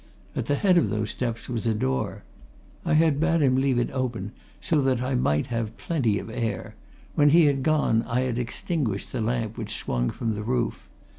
At the head of those steps was a door; I had bade him leave it open, so that I might have plenty of air; when he had gone I had extinguished the lamp which swung from the roof.